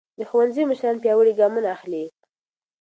د ښوونځي مشران پیاوړي ګامونه اخلي.